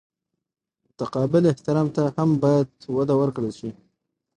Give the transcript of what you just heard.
متقابل احترام ته هم باید وده ورکړل شي.